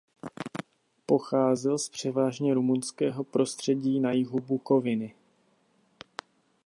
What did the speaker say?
Pocházel z převážně rumunského prostředí na jihu Bukoviny.